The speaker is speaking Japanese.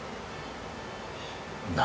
何